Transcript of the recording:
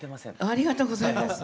ありがとうございます。